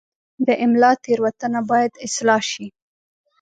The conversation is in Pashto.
د املا تېروتنه باید اصلاح شي.